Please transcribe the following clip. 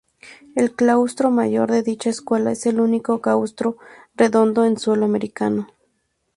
El Claustro Mayor de dicha escuela es el único claustro redondo en suelo americano.